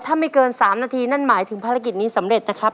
ถ้าไม่เกิน๓นาทีนั่นหมายถึงภารกิจนี้สำเร็จนะครับ